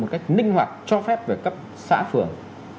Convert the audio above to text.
một cách linh hoạt cho phép về cấp xã phường